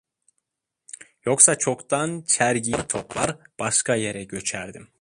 Yoksa çoktan çergiyi toplar, başka yere göçerdim…